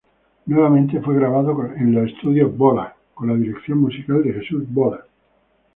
Nuevamente fue grabado en los Estudios Bola, con la Dirección Musical de Jesús Bola.